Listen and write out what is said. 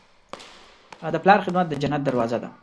د پلار خدمت د جنت دروازه ده.